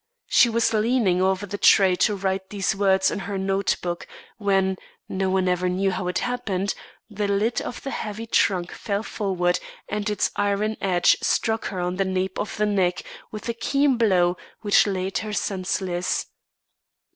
She was leaning over the tray to write these words in her note book, when no one ever knew how it happened the lid of the heavy trunk fell forward and its iron edge struck her on the nape of the neck, with a keen blow which laid her senseless.